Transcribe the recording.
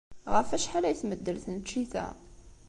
Ɣef wacḥal ay tmeddel tneččit-nni?